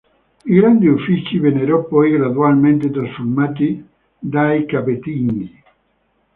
I grandi uffici vennero poi gradualmente trasformati dai Capetingi.